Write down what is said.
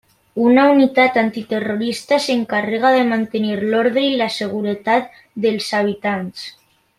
Una unitat antiterrorista s'encarrega de mantenir l'ordre i la seguretat dels habitants.